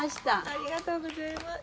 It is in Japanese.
ありがとうございます。